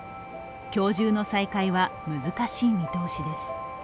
今日中の再開は難しい見通しです。